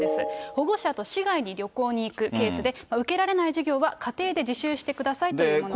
保護者と市外に旅行に行くケースで、受けられない授業は、家庭で自習してくださいというものです。